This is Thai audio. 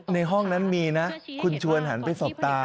ในห้องนั้นมีนะคุณชวนหันไปสบตา